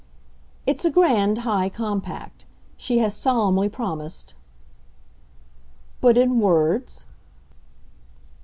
"It's a grand, high compact. She has solemnly promised." "But in words